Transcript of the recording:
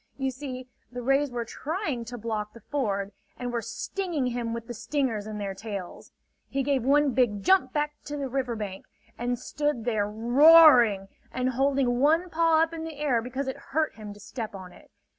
You see, the rays were trying to block the ford, and were stinging him with the stingers in their tails. He gave one big jump back to the river bank and stood there roaring, and holding one paw up in the air because it hurt him to step on it.